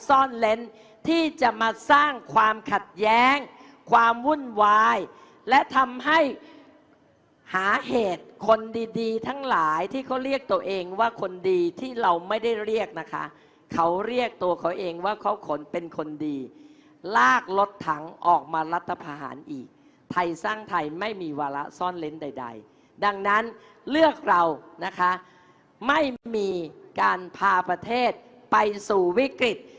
ซ่อนเล้นที่จะมาสร้างความขัดแย้งความวุ่นวายและทำให้หาเหตุคนดีดีทั้งหลายที่เขาเรียกตัวเองว่าคนดีที่เราไม่ได้เรียกนะคะเขาเรียกตัวเขาเองว่าเขาขนเป็นคนดีลากรถถังออกมารัฐพาหารอีกไทยสร้างไทยไม่มีวาระซ่อนเล้นใดดังนั้นเลือกเรานะคะไม่มีการพาประเทศไปสู่วิกฤต